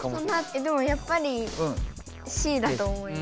でもやっぱり「Ｃ」だと思います。